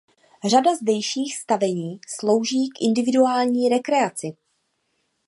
Řada zdejších stavení slouží k individuální rekreaci.